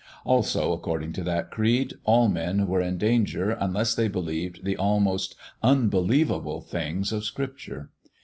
Also, according to that creed, all men were in danger unless they believed the almost unbelievable things of Scripture.